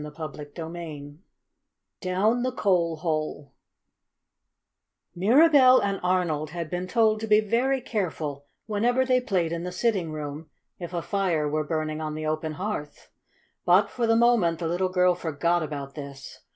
CHAPTER VI DOWN THE COAL HOLE Mirabell and Arnold had been told to be very careful whenever they played in the sitting room, if a fire were burning on the open hearth. But, for the moment, the little girl forgot about this.